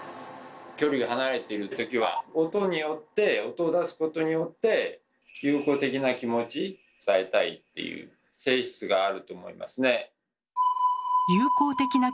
距離が離れている時は音によって音を出すことによって友好的な気持ち伝えたいっていう性質があると思いますね。